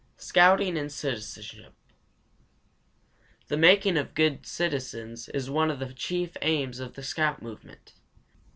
SCOUTING AND CITIZENSHIP. The making of good citizens is one of the chief aims of the scout movement.